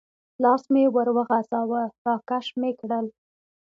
لاس مې ور وغځاوه، را کش مې کړل.